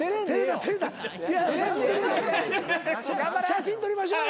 写真撮りましょう。